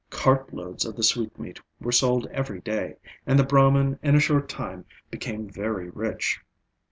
Cartloads of the sweetmeat were sold every day, and the Brahman in a short time became very rich.